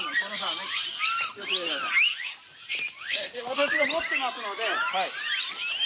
私が持ってますのでどうぞ。